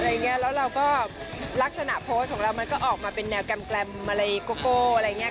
แล้วเราก็ลักษณะโพสต์ของเรามันก็ออกมาเป็นแนวแกรมอะไรโกโก้อะไรอย่างนี้